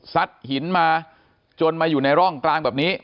หินมาจนมาอยู่ในร่องกลางแบบนี้